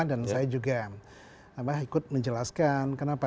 dan saya juga ikut menjelaskan kenapa